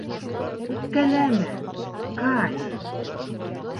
Үпкәләмә, Кай.